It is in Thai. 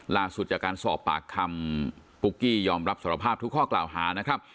ล่าสุดจากการสอบปากคำปุ๊กกี้ยอมรับสารภาพทุกข้อกล่าวหานะครับ